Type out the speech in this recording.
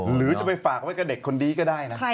หรือจะไปฝากไว้กับเด็กคนนี้ก็ได้นะ